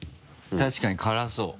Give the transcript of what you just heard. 確かに辛そう。